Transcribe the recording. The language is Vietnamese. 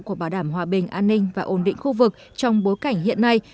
của bảo đảm hòa bình an ninh và ổn định khu vực trong bối cảnh hiện nay